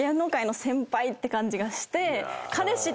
て感じがして。